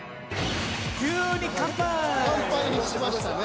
乾杯にしましたね。